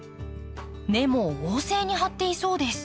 根も旺盛に張っていそうです。